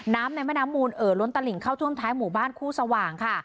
ในแม่น้ำมูลเอ่อล้นตลิ่งเข้าท่วมท้ายหมู่บ้านคู่สว่างค่ะ